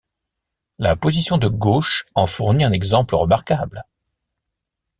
La position de gauche en fournit un exemple remarquable.